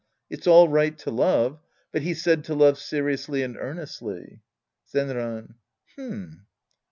It's all right to love, but he said to love seriously and earnestly. Zenran. H'm.